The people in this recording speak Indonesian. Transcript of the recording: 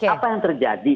apa yang terjadi